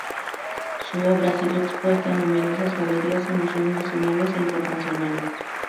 Su obra ha sido expuesta en numerosas galerías y museos nacionales e internacionales.